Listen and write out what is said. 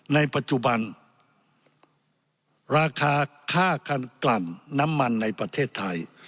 ในปัจจุบันราคาค่าคันกลั่นน้ำมันในประเทศไทย